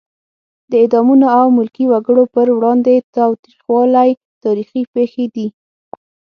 د اعدامونو او ملکي وګړو پر وړاندې تاوتریخوالی تاریخي پېښې دي.